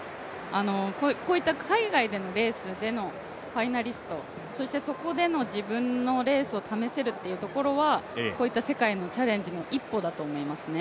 こういった海外でのレースでのファイナリスト、そしてそこでの自分のレースを試せるっていうところはこういった世界のチャレンジの一歩だと思いますね。